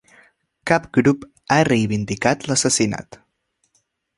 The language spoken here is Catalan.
Cap grup a reivindicat l'assassinat.